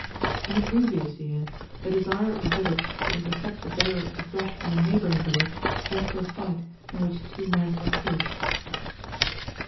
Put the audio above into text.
In the previous year, the desire of a village to intercept the bearer of the flesh from a neighbouring village led to a fight, in which two men were killed.